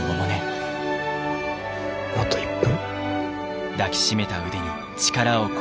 あと１分。